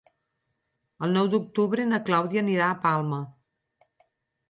El nou d'octubre na Clàudia anirà a Palma.